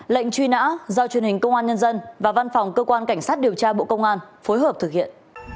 lệnh truy nã do truyền hình công an nhân dân và văn phòng cơ quan cảnh sát điều tra bộ công an phối hợp thực hiện